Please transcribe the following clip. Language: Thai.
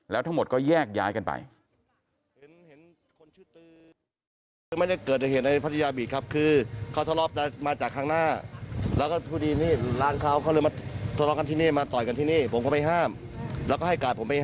แล้วทั้งหมดก็แยกย้ายกันไป